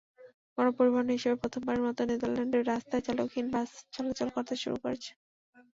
গণপরিবহন হিসেবে প্রথমবারের মতো নেদারল্যান্ডসের রাস্তায় চালকহীন বাস চলাচল শুরু করেছে।